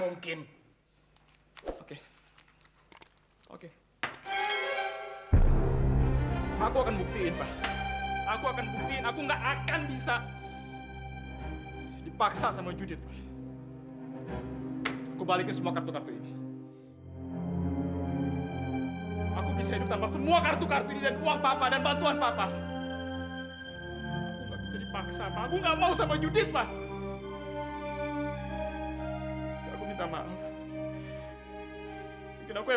oke makasih pak ya